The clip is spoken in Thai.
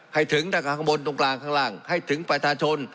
ให้ถึงตั้งแต่ข้างบนตรงกลางข้างล่างให้ถึงประชาชน